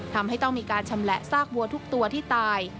ทำให้ต้องมีการชำแหละซากวัวทุกตัวที่ตาย